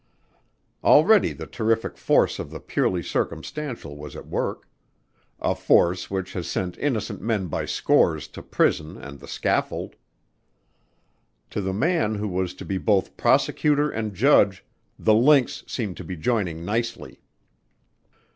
Already the terrific force of the purely circumstantial was at work; a force which has sent innocent men by scores to prison and the scaffold. To the man who was to be both prosecutor and judge the links seemed to be joining nicely.